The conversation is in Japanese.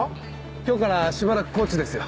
今日からしばらく高知ですよ。